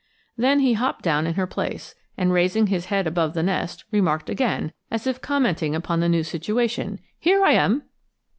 Then he hopped down in her place, and raising his head above the nest, remarked again, as if commenting upon the new situation, "Here I am!"